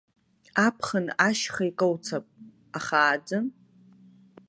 Аԥхын ашьха икауцап, аха аӡын?